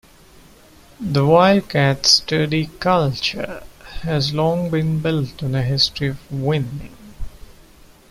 The Wildcats' sturdy culture has long been built on a history of winning.